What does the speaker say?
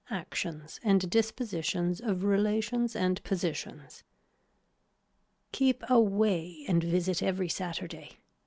ACTIONS AND DISPOSITION OF RELATIONS AND POSITIONS Keep away and visit every Saturday.